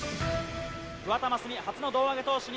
桑田真澄、初の胴上げ投手に。